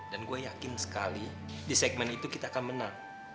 dan gua yakin sekali di segmen itu kita akan menang